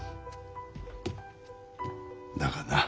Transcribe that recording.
だがな。